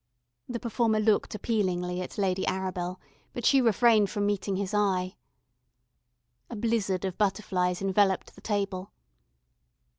The performer looked appealingly at Lady Arabel, but she refrained from meeting his eye. A blizzard of butterflies enveloped the table.